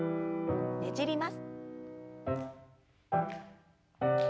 ねじります。